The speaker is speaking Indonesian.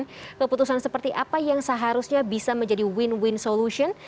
dan keputusan seperti apa yang seharusnya bisa menjadi win win solution